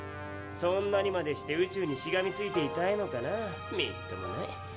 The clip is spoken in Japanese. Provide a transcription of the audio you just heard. そんなにまでして宇宙にしがみついていたいのかなみっともない。